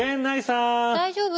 大丈夫？